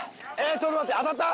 ちょっと待って当たった？